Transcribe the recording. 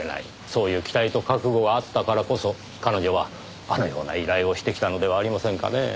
そういう期待と覚悟があったからこそ彼女はあのような依頼をしてきたのではありませんかねぇ。